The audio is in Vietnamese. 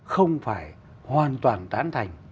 không phải hoàn toàn tán thành